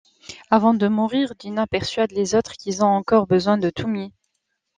Avant de mourir, Dinah persuade les autres qu'ils ont encore besoin de Toomy.